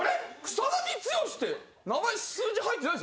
草剛って名前数字入ってないぞ。